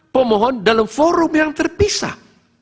pemohon dalam forum yang terpisah